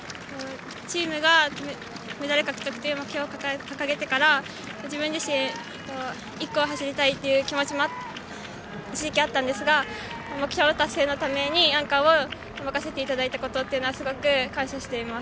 チームがメダル獲得という目標を掲げてから自分自身、１区を走りたいという気持ちも正直あったんですが目標達成のためにアンカーを任せていただいたことはすごく感謝しています。